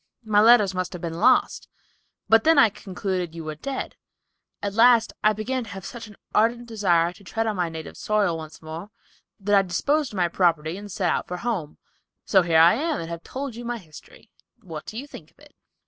My letters must have been lost, but I then concluded you were dead. At last I began to have such an ardent desire to tread my native soil once more that I disposed of my property and set out for home, so here I am and have told you my history; what do you think of it?"